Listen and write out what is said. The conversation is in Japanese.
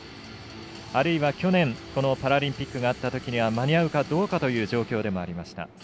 あるいは、去年パラリンピックがあったときには間に合うかどうかという状況でもありました。